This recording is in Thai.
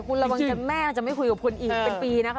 คุณระวังกันแม่อาจจะไม่คุยกับคุณอีกเป็นปีนะคะ